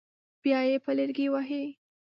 بیا یې په لرګي وهي.